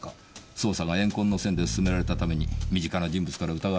捜査が怨恨の線で進められたために身近な人物から疑われたのでしょうねぇ。